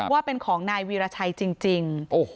ว่าเป็นของนายวีรชัยจริง